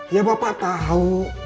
ya bapak tahu